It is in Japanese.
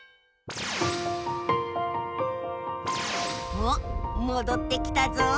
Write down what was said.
おっもどってきたぞ。